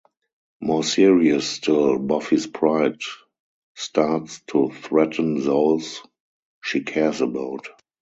More serious still, Buffy's pride starts to threaten those she cares about.